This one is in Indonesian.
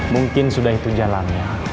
mungkin sudah itu jalannya